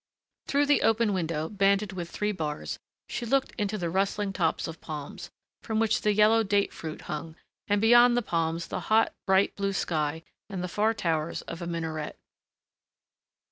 Through the open window, banded with three bars, she looked into the rustling tops of palms, from which the yellow date fruit hung, and beyond the palms the hot, bright, blue sky and the far towers of a minaret.